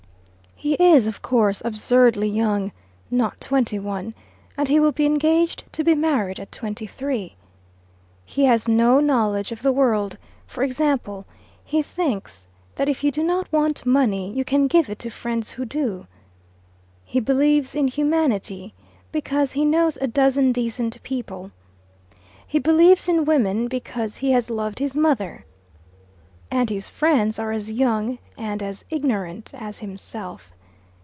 He is, of course, absurdly young not twenty one and he will be engaged to be married at twenty three. He has no knowledge of the world; for example, he thinks that if you do not want money you can give it to friends who do. He believes in humanity because he knows a dozen decent people. He believes in women because he has loved his mother. And his friends are as young and as ignorant as himself.